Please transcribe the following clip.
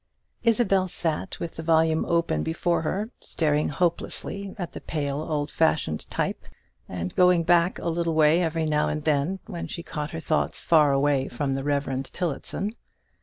Isabel sat with the volume open before her, staring hopelessly at the pale, old fashioned type, and going back a little way every now and then when she caught her thoughts far away from the Reverend Tillotson.